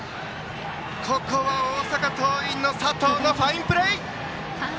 ここは大阪桐蔭の佐藤のファインプレー！